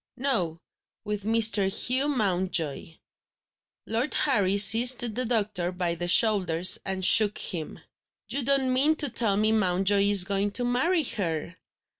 "No; with Mr. Hugh Mountjoy." Lord Harry seized the doctor by the shoulders, and shook him: "You don't mean to tell me Mountjoy is going to marry her?"